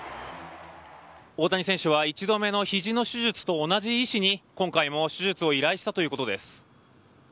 大谷選手は１度目の肘の手術と同じ医師に今回も手術を依頼したということです。